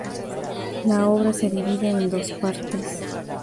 La obra se divide en dos partes.